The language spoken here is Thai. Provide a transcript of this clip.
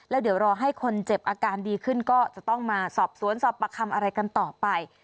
แล้วเดี๋ยวรอให้คนเจ็บอาการดีขึ้นก็จะต้องมาสอบสวนสอบประคำอะไรกันต่อไป